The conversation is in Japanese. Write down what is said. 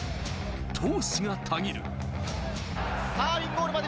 闘志がたぎる。